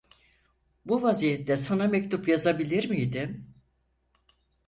Bu vaziyette sana mektup yazabilir miydim?